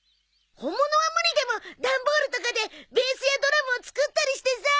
本物は無理でもダンボールとかでベースやドラムを作ったりしてさ。